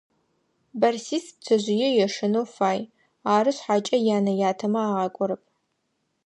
Бэрсис пцэжъые ешэнэу фай, ары шъхьакӏэ янэ-ятэмэ агъакӏорэп.